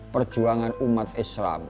perjuangan umat islam